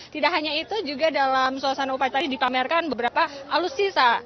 tidak hanya itu juga dalam suasana upacara ini dipamerkan beberapa alutsisa